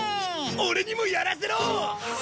オレにもやらせろ！